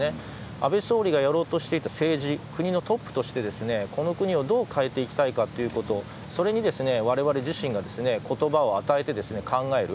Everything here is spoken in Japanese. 安倍総理がやろうとしていた政治国のトップとしてこの国をどう変えていきたいかということそれをわれわれ自身が言葉を与えて考える。